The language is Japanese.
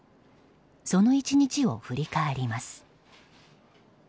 その１日を振り返ります。